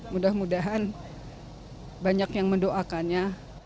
mudah mudahan banyak yang mendoakannya